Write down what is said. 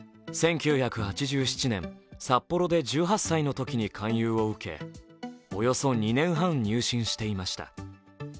１９８７年、札幌で１８歳のときに勧誘を受けおよそ２年半、入信していました。